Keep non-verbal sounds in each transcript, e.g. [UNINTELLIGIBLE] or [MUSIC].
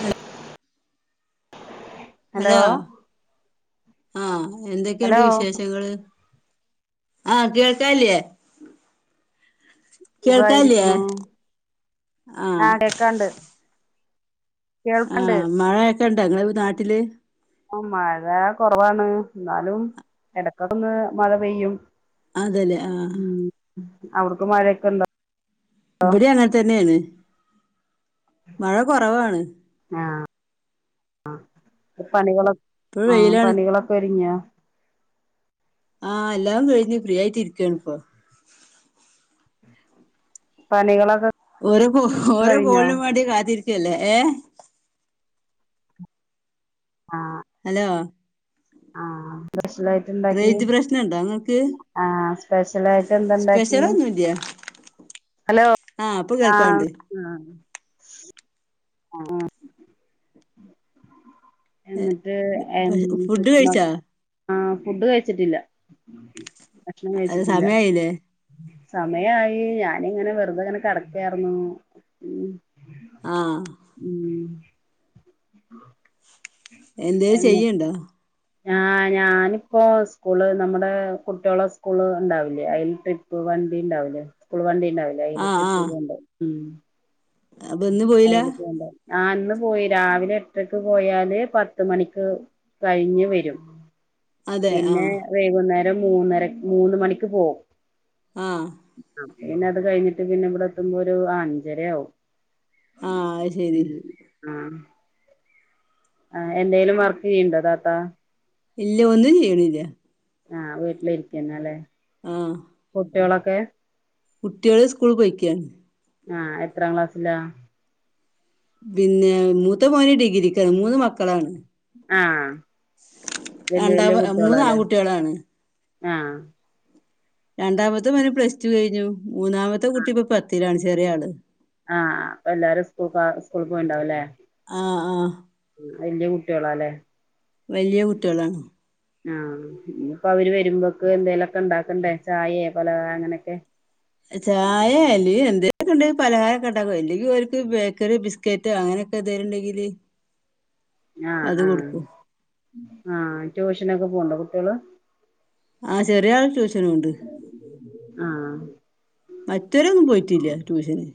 Hello hello ആ hello എന്തൊക്കെണ്ട് വിശേഷങ്ങള് ആ കേൾക്കാല്ലേ കേൾക്കാല്ലേ സുഖായിരിക്കണു ആ ആ കേൾക്കണ്ട് മഴക്കെണ്ടോ ങ്ങളെ നാട്ടില് ആ മഴ കൊറവാണ് ന്നാലും എടക്കൊന്ന് മഴ പെയ്യും അതെല്ലേ ആ ഔട്ക്ക് മഴൊക്കെണ്ടോ ഇബടീം അങ്ങൻ തന്നേണ്. മഴ കൊറവാണ് ആ ആ പണികള് ഇപ്പൊ ആ വെയിലാണ് പണികളൊക്കെ ഒര്ഗ്യോ ആ എല്ലാം കഴിഞ്ഞ ഫ്രീ ആയ്റ്റ് ഇര്ക്കാണ്പ്പൊ പണികളൊ ഒര് കോ ഓരോ കോൾനും മാണ്ടി കാത്തിര്ക്കല്ലേ ഏ ആ ഹലോ ആ സ്പെഷ്ലായ്റ്റ് ണ്ടാക്കി റേഞ്ച് പ്രശ്നണ്ടോ ഇങ്ങക്ക് ആ സ്പെഷ്യലായ്റ്റെന്തണ്ടാക്കി സ്പെഷ്യലൊന്നുല്ല ഹലോ ആഹ് ഇപ്പൊ ആ കേൾക്കാണ്ട് ആ ആ എന്നിട്ട് എന്ത് ഫുഡ് [UNINTELLIGIBLE] കഴിച്ചാ ആ ഫുഡ്ഡ് കയ്ച്ചിട്ടില്ല ഭക്ഷണം അല്ല കയ്ച്ചിട്ടില്ല സമയായില്ലേ സമയായി ഞാനിങ്ങനെ വെർതെങ്ങനെ കെടക്കാക്കാർന്നു. മ് ആ ഉം എന്തേലും ചെയ്യ്ണ്ടോ ആ ഞാനിപ്പോ സ്കൂള് നമ്മടെ കുട്ട്യോളെ സ്കൂള് ണ്ടാവില്ലേ അതില് ട്രിപ്പ് വണ്ടി ണ്ടാ വൂലെ സ്കൂൾ വണ്ടി ണ്ടാവൂലെ അതില് ആഹ് ട്രിപ്പ് പോണ് ണ്ട് മ് അബന്ന് പോയ്ല ആ ന്ന് പോയി രാവിലെ എട്ട്രക്ക് പോയാല് പത്ത് മണിക്ക് കൈഞ്ഞ് വെരും. അതെ പിന്നെ ആഹ് വൈകുന്നേരം മൂന്നരക് മൂന്ന് മണിക്ക് പോവും. ആ പിന്നെ അത് കൈഞ്ഞ്ട്ട് പിന്നെ വടെ എത്തുമ്പോരു അഞ്ചരാവും ആഹ് അത് ശരി മ് ആ ആ എന്തേലും വർക്ക് ചെയ്യ്ണ്ടോ താത്ത ഇല്ല ഒന്നും ചീയ്ണില്ല ആ വീട്ടിലിരിക്കന്നെല്ലേ ആ കുട്ട്യാളൊക്കെ കുട്ട്യാള് സ്കൂള് പോയ്ക്ക്യാണ്. ആ എത്രാം ക്ലാസ്സിലാ പിന്നെ മൂത്ത മോന് ഡിഗ്രീക്ക് മൂന്ന് മക്കളാണ് ആവല്യ രണ്ടാമ വല്യ മൂന്ന് കുട്ടിയോളാല്ലേ ആൺകുട്ടികളാണ് ആ രണ്ടാമത്തെ മോൻ പ്ലസ് ടു കഴിഞ്ഞു മൂന്നാമത്തെ കുട്ടി ഇപ്പൊ പത്തിലാണ് ചെറിയ ആള് ആഹ് അപ്പൊ എല്ലാരും സ്കൂൾ സ്കൂൾ പോയിണ്ടാവുല്ലേ ആആ വല്യ കുട്ടോളാല്ലേ വല്യ കുട്ട്യോളാണ് ആ ഇപ്പൊ അവര് വരുമ്പോക്ക് എന്തേ ലെക്കെ ഉണ്ടാക്കണ്ടേ ചായെ പലഹാരോ അങ്ങനെക്കെ ചായ അല്ലെ എന്തേ ക്കെണ്ടെങ്കിൽ പലഹാരംക്കെ ഉണ്ടാക്കും അല്ലെങ്കി ഓല്ക്ക് ബേക്കറി ബിസ്ക്കറ്റ് അങ്ങനെ ക്കെ എന്തേലും ഉണ്ടെങ്കില് ആ അത് കൊടുക്കും ആആ ട്യൂഷനൊക്കെ പോണ്ടോ കുട്ട്യോള് ആചെറിയാള് ട്യൂഷ ന്ട്ട് ആഹ് മറ്റവരൊന്നും പോയിട്ടില്ല ട്യൂഷന്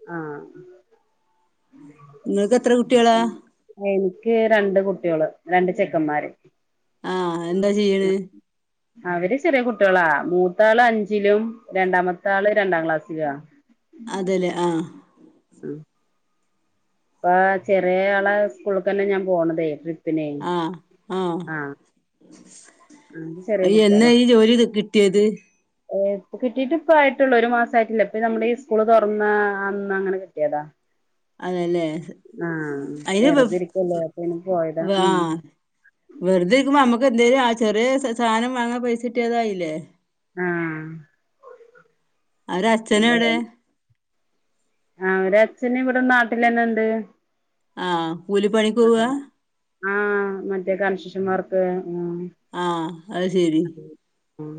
ആ ഇങ്ങക്ക് എത്ര കുട്ടികളാ എനിക്ക് രണ്ട് കുട്ടികള് രണ്ട് ചെക്കന്മാര് ആഎന്താ ചെയ്യ്ണേ അവര് ചെറിയ കുട്ടികളാ മൂത്താള് അഞ്ചിലും രണ്ടാമത്ത ആള് രണ്ടാം ക്ലാസ്സിലുവ അതെല്ലേ ആ ഉം ഇപ്പ ചെറിയ ആളെ സ്കൂൾക്കന്നെ ഞാൻ പോണതേ ട്രിപ്പിനെ ആ ആഹ് അത് ചെറിയ ആഎന്ന കുട്ടികളാ ഈ ജോലി കിട്ടിയത് ഇപ്പ കിട്ടിട്ട് ഇപ്പ ആയിട്ടുള്ളൂ ഒരു മാസയിട്ടില്ല ഇപ്പൊ നമ്മുടെ ഈ സ്കൂള് തുറന്ന അന്ന് അങ്ങനെ കിട്ടിയതാ അതെല്ലെ ആ വെറുതിരിക്കുവല്ലേ അപ്പയ്ന് പോയതാ ആ ഉം വെറുതെ ഇരിക്കുമ്പോ അമ്മക്ക് എന്തേലും ആ ചെറിയ സാധനം വാങ്ങാൻ പൈസ കട്ടിയാതായില്ലേ ആ അവരെ അച്ഛന എവിടെ ആ അവര് അച്ഛന് ഇവിടെ നാട്ടിലെന്നെണ്ട് ആ കൂലിപ്പണിക്ക് പോവാ ആ മറ്റേ കണശിഷന്മാർക്ക് ഉം ആ അത് ശരി അതെ ഉം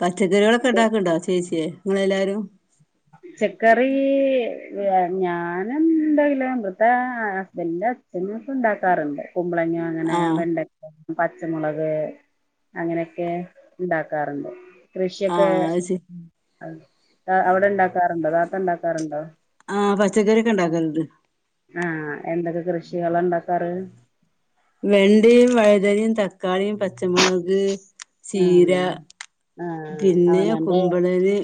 പച്ചക്കറികളൊക്കെ ഇണ്ടാക്കണ്ടോ ചേച്ചിയേ നിങ്ങളെല്ലാരും പച്ചക്കറി ഞാനും എന്തലോ വെറുതെ ഹസ്ബന്റ്ന്റെ അച്ഛന് ഉണ്ടാക്കാറുണ്ട് കുമ്പളങ്ങാ അങ്ങനെ ആ വെണ്ടക്ക പച്ചമുളക് അങ്ങനെയൊക്കെ ഇണ്ടാക്കാറുണ്ട് ആ കൃഷിയൊക്കെ അത് ശരി അവ ണ്ടോ താത്ത ഉണ്ടാക്കാറുണ്ടോ ആ പച്ചക്കറിയൊക്കെ ഉണ്ടാക്കലുണ്ട് ആ എന്തൊക്കെ കൃഷികളാ ഉണ്ടാക്കാറ് വെണ്ടയും വഴുതനയും തക്കാളിയും പച്ചമുളക് ചീര ആഹ് ആഹ് പിന്നെ അവനാന്റെ കുമ്പളന്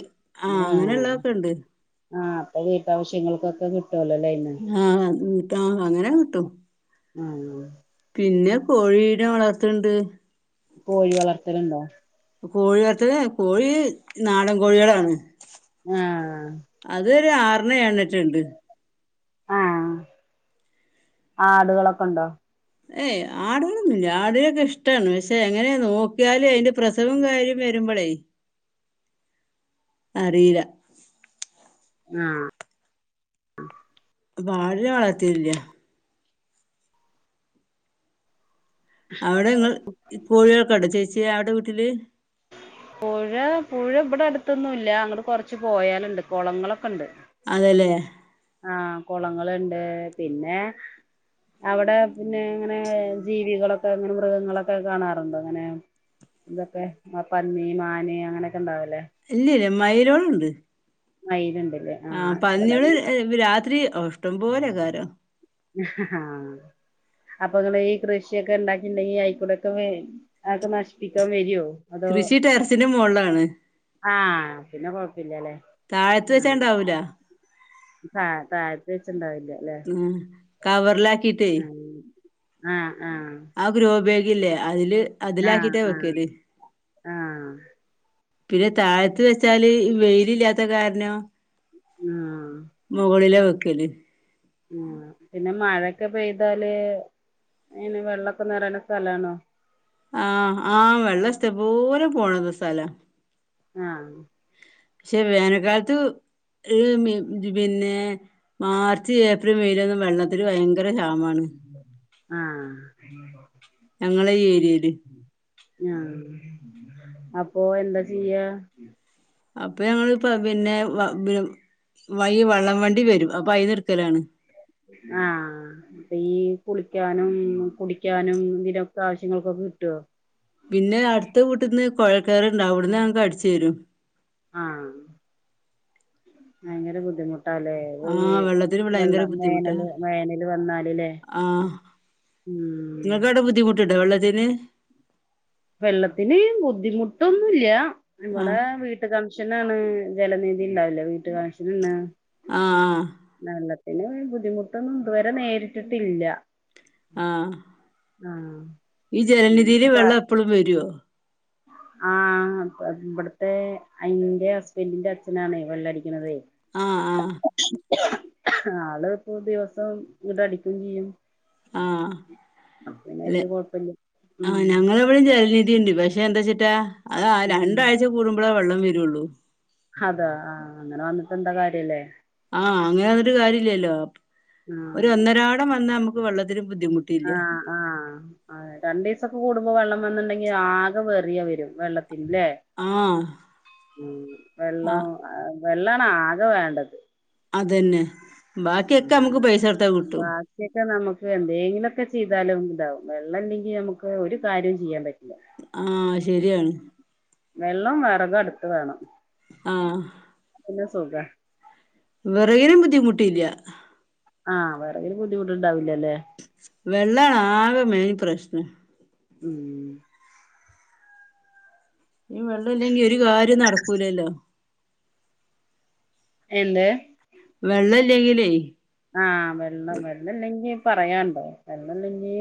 ആ അങ്ങനെള്ളതൊക്കെ ഇണ്ട് ആ അപ്പ വീട്ടാവശ്യങ്ങൾക്കൊക്കെ കി ആ അങ്ങനെ കിട്ടും ആണോ പിന്നെ കോഴിടേ വളർത്തണ്ട് കോഴി വളർത്തലുണ്ടോ കോഴിയെടുത്ത് കോഴി നാടൻ കോഴികളാണ് ആ ഒര് ആറണ്ണ് ഏയണ്ണ് ആ ആടുകളൊക്കെണ്ടോ? ഏയ് ആടുകളൊന്നുല്ല്യ ആട്നൊക്കെ ഷ്ട്ടാണ് പഷേ എങ്ങനെ നോക്ക്യാലയിന്റെ പ്രസവും കാര്യം വരു മ്പളെ. അറീല. ആ വാഴ വളത്തീല്ല. അവിടെ ങ്ങൾ കോഴികളൊക്കണ്ടാ ചേച്യേ അവിടെ വീട്ടില്? പുഴ പുഴ ഇവടെ അടുത്തൊന്നും ഇല്ല്യ അങ്ങട്ട് കൊറച്ച് പോയാലുണ്ട് കൊളങ്ങളൊക്കെണ്ട്. അതെലെ. ആ കൊളങ്ങളുണ്ട് പിന്നെ. അവടെ പിന്നെ ങ്ങനെ ജീവികളൊക്കെ ങ്ങനെ മൃഗങ്ങളൊക്കെ കാണാറുണ്ടൊ ങ്ങനെ. ഇതൊക്കെ ആ പന്നി, മാന് അങ്ങനൊക്കെ ഇണ്ടാവുലെ. ഇല്ല്യല്ല്യ മൈലോളുണ്ട്. മൈല്ണ്ട്. ആ പന്ന്യോള് ഏഹ് രാത്രി ഒ ഹ് ഹ് ഹാ. അപ്പൊ ങ്ങള് ഈ കൃഷിയക്കെ ഇണ്ടാക്കിണ്ടെങ്കി അയിക്കൂടൊക്കെ വെ അത് ഒക്കെ നശിപ്പിക്കാൻ വരുോ? കൃഷി ടെറസിന്റെ മോൾളാണ്. ആ പിന്നെ കൊയ്പ്പില്ലലെ താഴത്ത് ആ വെച്ചാണ്ടാവൂല ആ തായത്ത് വെച്ച്ണ്ടാവി ഹ്മ്.. കവറിലാക്കിട്ടേ. ആ ആ ഗ്രോബേഗില്ലെ അതില് ആഹ് അതിലാക്കിട്ടാ ആഹ് വെക്കല്. ആഹ് പിന്നെ തായത്ത് വെച്ചാല് വെയിലില്ലാത്ത കാരണം. ആ.. മുകളിലാ വെക്കല്. ആ പിന്നെ മയക്കെ പെയ്താല്. എനെ വെള്ളൊക്കെ നെറയണെ സ്ഥലാണോ? ആ ആ വെള്ള സ്ട്ടം പോലെ പോണര് സ്ഥലാ. ആ ഷേ വേനക്കാലത്ത്. ഹ് മ്ന് പിന്നെ മാർച്ച് ഏപ്രി മെയിലൊന്നും വെള്ളത്തിൽ വൈങ്കര ആ ഞങ്ങളെ ഈ ഏരിയേല്. ആ അപ്പൊ എന്താ ചെയ്യ? അപ്പൊ ഞങ്ങള് പ പിന്നെ വ വ് വൈ വള്ളം വണ്ടി വരും അപ്പൊ അയിന്ന്ട്ക്കലാണ്. ആ പ്പ ഈ കുളിക്കാനും കുടിക്കാനും ഇതിനൊക്കെ ആവശ്യങ്ങൾക്കൊ ട്ടോ. പിന്നെ അടുത്ത വീട്ട്ന്ന് കൊഴൽകേർണ്ട് അവിടന്ന് ഞങ്ങക്ക് അടിച്ചരും. ആ ബൈങ്കര ബുദ്ധിമു ട്ടാല്ലേ ഈ ആ വെള്ളത്തിന് ഇവിടെ ഭയങ്കര വെള്ളം ബുദ്ധിമുട്ടാ വേനല് വേനല് വന്നാല് ല്ലേ? ഇങ്ങക്കഉടെ ബുദ്ധിമുട്ട്ണ്ടോ വെള്ളത്തിന്? വെള്ളത്തിന് ബുദ്ധിമുട്ടൊന്നുംല്ല്യ. ആ ഇവടെ വീട്ട് കണഷനാണ് ജലനിതിണ്ടാവില്ലേ വീട്ട് കണഷനണ്. അ ആ പിന്നെ ബുദ്ധിമുട്ടൊന്നും ഇതുവരെ നേരിട്ടിട്ടില്ല. ആ ആ. ഈ ജലനിധിയില് വെള്ളം എപ്പോഴും വരുവോ ആ ഇവിടുത്തെ അയിന്റെ ഹസ്ബൻഡിന്റെ അച്ഛനാണ് വെള്ളടിക്കണതേ ആ ആ ആള് ഇപ്പൊ ദിവസോം ഇങ്ങട് അടിക്കേം ചെയ്യും ആ അപ്പ പിന്നെ അല്ലെ വല്യ കൊഴപ്പില്ല ആ ഉം ഞങ്ങളിവിടെ ജന ണ്ട് പക്ഷെ എന്താച്ചിട്ടാ അത് ഉം രണ്ടാഴ്ച കൂടുമ്പഴേ വെള്ളം വരുള്ളൂ ഹതാ ആ അങ്ങനെ വന്നിട്ട് എന്താകാര്യല്ലേ ആ അങ്ങനെവന്നിട്ടു കാര്യല്ലാല്ലോ ഒരു ആഹ് ഒന്നരാടം വന്നാ നമുക്കുവെള്ളത്തി നൊരു ബുദ്ധിമുട്ടില്ല ആ രണ്ടീസൊക്കെ കൂടുമ്പോൾ വെള്ളം വന്നിണ്ടെങ്കി ആകെ വെറിയെവരും വെള്ളത്തി ഇല്ലേ ആ ഉം ആ വെള്ളം വെള്ളാണ് ആകെ വേണ്ടത് അതന്നെ ബാക്കിയൊക്കെ ഉം നമുക്ക് പൈസടൊത്താ കിട്ടും എന്തെങ്കിലൊക്കെ ചെയ്താലും ഇതാവും വെള്ളോല്ലെങ്കി നമുക്ക് ഒരുകാര്യവും ചെയ്യാൻ പറ്റു ഉം വെള്ളോം വിറക് അടുത്ത് വേണം ആ പിന്നെ സുഖാ വെറകിനും ബുദ്ധിമുട്ടില്ലൃ ആ വെറകിനു ബുദ്ധിമുട്ടുണ്ടാവില്ലൃ വെള്ളാണ് ആകെ മെയിൻപ്രശ്നം ഉം ഈ വെള്ളോല്ലെങ്കി ഒരുകാര്യവും നടക്കൂലല്ലോ എന്ത് വെള്ളമില്ലങ്കിലേ ആ വെള്ളം വെള്ളല്ലെങ്കി പറയാന്ണ്ടോ വെള്ളല്ലെന്ങ്കീ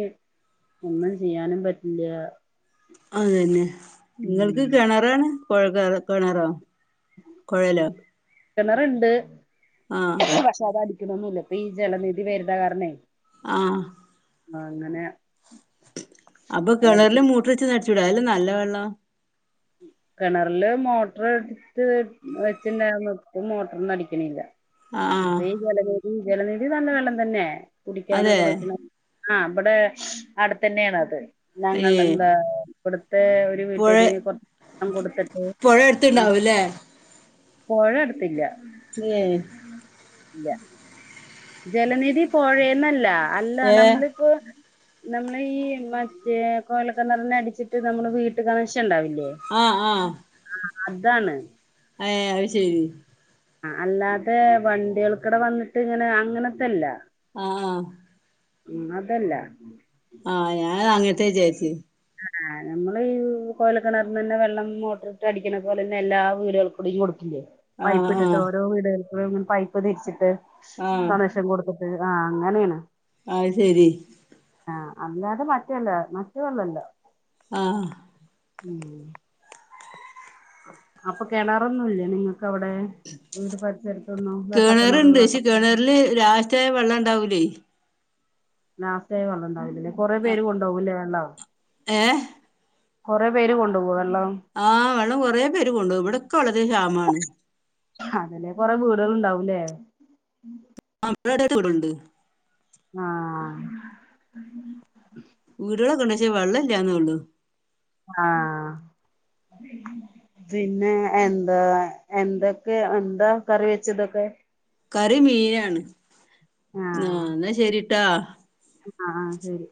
ഒന്നും ചെയ്യാനും പറ്റില്ല അതുതന്നെ നിങ്ങൾക്ക് ഉം കെണറാണ് കുഴൽ ക്കെ കെണറാ കിണറുണ്ട് ആ പക്ഷെ അടി ക്കണൊന്നില്ലാ ഇപ്പൊ ഈ ജലനിധി വരതാ കാരണേ ആ ആ അങ്ങനെ അപ്പൊ കിണറിലേ അതടിക്കും മൂട്ടറ് വെച്ചൊന്നടിച്ചൂടെ അല്ലേ നല്ലവെള്ളം കിണറില് മോട്ടർ എടുത്ത് വെച്ചിണ്ടാർന്ന് പ്പ മോട്ടറൊന്നും അടിക്കണില്ല ആഹ് ആഹ് ഇപ്പം ജലനിധി ജലനിധി നല്ല വെള്ളംതന്നെ അതെ കുടിക്കാനൊക്കെ പറ്റണ ആ ഇബ്ടെ അവ്ടെത്തന്നെയാണത് ഞങ്ങളുടെ ഏഹ് എന്താ ഇവി ടെ ഒരു പുഴ വീട്ടില് കു പുഴ അടുത്തുണ്ടാവൂല്ലേ പൊഴ അടുത്തില്ല ഏഹ് ഇല്ല ജലനിധി പൊഴേന്നല്ല അല്ല ഏഹ് നമ്മളിപ്പോ നമ്മളീ മറ്റേ കൊഴൽക്കിനറിനടിച്ചിട്ട് നമ്മള് വീട്ടു കണക്ഷനുണ്ടാവൂലെ ആ ആ അതാണ് ഏ അത് ശെരി ആ അല്ലാതെ വണ്ടികൾക്കിടെ വന്നിട്ടിങ്ങനെ അങ്ങനത്തെല്ലാ ആ ഉം അതല്ലാ ആ ഞാൻ അങ്ങനത്തെ വിചാരിച്ചൂ ആ നമ്മളീ കൊഴൽക്കിണറിന്നന്നെ വെള്ളം മോട്ടറിട്ട് അടിക്കണ പോലന്നെ എല്ലാ വീടൂകൾക്കും കുടിക്കാൻ കൊടുക്കു ല്ലേ ആഹ് പൈപ്പിട്ടിട്ട് ആഹ് ഓരോ വീടുകൾക്കും ഇങ്ങനെ പൈപ്പ് ധരിച്ചിട്ട് കണക്ഷൻ കൊടുത്തു ആ അങ്ങനെയാണ് അയ്ശെരി ആ അല്ലാതെ മറ്റല്ല മറ്റേ [UNINTELLIGIBLE] ആ ഉം അപ്പൊ കേണറൊന്നുംല്ലേ നിങ്ങ വെട്ടക്കിണർ കേണർണ്ട് വട്ട പക്ഷേ കേണറില് ലാസ്റ്റായ വെള്ളം ഉണ്ടാവൂലേ ലാസ്റ്റായ വെള്ളം ഉണ്ടാവില്ലല്ലേ കൊറെേ പേര് കൊണ്ടുപോകൂല്ലേ വെള്ളം ഏ കുറെേ പേര് കൊണ്ടുപോക് ആ വെള്ളം കൊറെേ പേര് കൊണ്ട് പോകും ഇവിടെക്കെ വളരെ ക്ഷാമാണ് അതിലെ കൊറെ വീടുകളുണ്ടാവൂലേ [UNINTELLIGIBLE] ഉണ്ട് ആ.... വീടുകളൊക്കെണ്ട് പക്ഷേ വെള്ളല്ലാന്നേ ഉള്ളു ആ.... പിന്നെ എന്താ എന്തൊക്കെ എന്താ കറി വെച്ചതൊക്കെ കറി മീനാണ് ആ എന്നാ ശരിട്ടാ ആ ആ ശരി